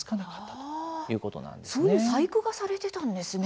そういう細工がされていたんですね。